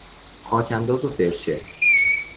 خاک انداز و فرچه